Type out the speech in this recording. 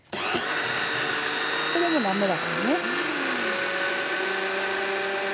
これでもう滑らかにね。